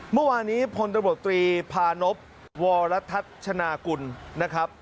เมื่อวานนี้พนธบตรีพาณบวรทัศนากุลนะครับ